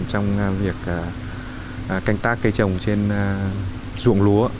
trong việc canh tác cây trồng trên ruộng lúa